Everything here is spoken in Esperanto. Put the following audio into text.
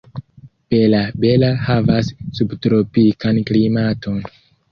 Bela-Bela havas subtropikan klimaton.